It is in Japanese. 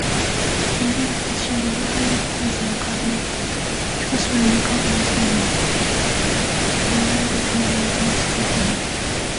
それも平生吾輩が彼の背中へ乗る時に少しは好い顔でもするならこの漫罵も甘んじて受けるが、